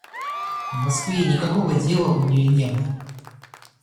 В Москве никакого дела у нее не было.